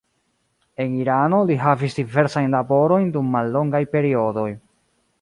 En Irano li havis diversajn laborojn dum mallongaj periodoj.